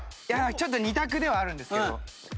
ちょっと２択ではあるんですけど。